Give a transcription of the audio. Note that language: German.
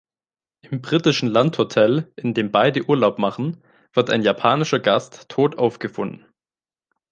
Im britischen Landhotel, in dem beide Urlaub machen, wird ein japanischer Gast tot aufgefunden.